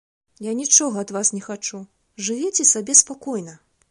Я нічога ад вас не хачу, жывіце сабе спакойна.